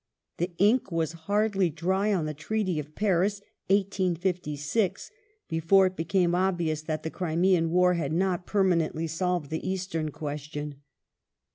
The ink was hardly dry on the Ti*eaty of Paris (1856) before it became obvious that the Ciimean War had not permanently solved the Eastern question.